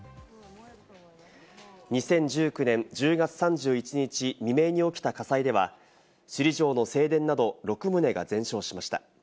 ２０１９年１０月３１日未明に起きた火災では、首里城の正殿など６棟が全焼しました。